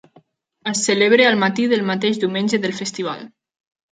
Es celebra el matí del mateix diumenge del Festival.